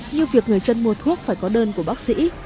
như việc người dân mua thuốc phải có đơn của bác sĩ